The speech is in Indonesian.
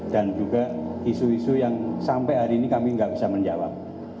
dan juga isu isu yang sampai hari ini kami tidak bisa menjawab